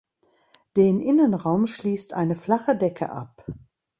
Den Innenraum schließt eine flache Decke ab.